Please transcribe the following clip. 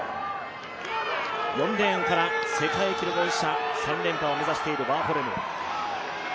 ４レーンから世界記録保持者３連覇を目指しているワーホルム。